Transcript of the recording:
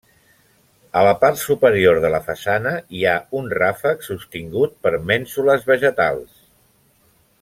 A la part superior de la façana hi ha un ràfec, sostingut per mènsules vegetals.